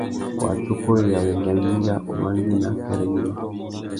Wātsôkôreya, wenga gnïnga, umandēna akêrê yïmá.